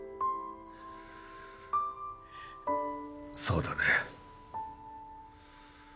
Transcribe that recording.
そうだね。